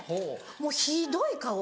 もうひどい顔